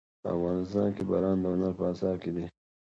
افغانستان کې باران د هنر په اثار کې دي.